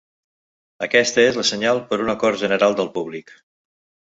Aquesta és la senyal per un acord general del públic.